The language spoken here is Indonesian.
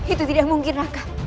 itu tidak mungkin raka